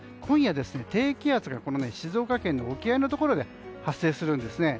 今夜、低気圧が静岡県の沖合のところで発生するんです。